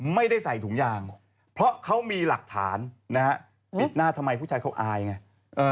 ไม่ได้ใส่ถุงยางเพราะเขามีหลักฐานนะฮะปิดหน้าทำไมผู้ชายเขาอายไง